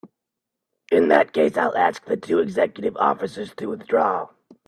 In that case I'll ask the two executive officers to withdraw.